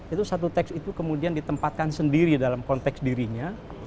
itu satu teks itu kemudian ditempatkan sendiri dalam konteks dirinya